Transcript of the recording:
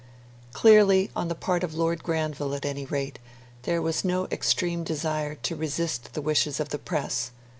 Clearly, on the part of Lord Granville at any rate, there was no extreme desire to resist the wishes of the Press.